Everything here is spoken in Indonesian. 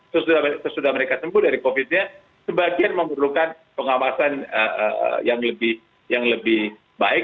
terus sudah mereka sembuh dari covidnya sebagian membutuhkan pengawasan yang lebih baik